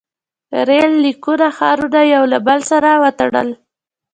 • ریل لیکو ښارونه یو له بل سره وتړل.